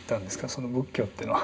その仏教っていうのは。